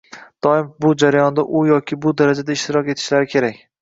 doimo bu jarayonda u yoki bu darajada ishtirok etishlari kerak.